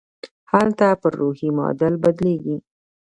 هلته پر روحي معادل بدلېږي.